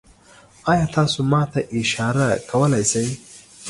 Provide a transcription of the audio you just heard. ایا تاسو ما ته اشاره کولی شئ؟